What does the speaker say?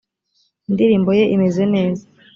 indirimbo ye imeze neza.